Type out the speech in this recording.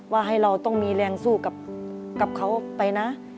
ว่าให้เราต้องมีแรงสู้กับเขาไปนะ